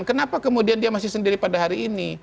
kenapa kemudian dia masih sendiri pada hari ini